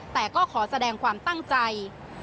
แต่ก็ขอแสดงความตั้งใจ